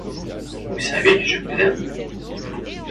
Vous savez que je vous aime.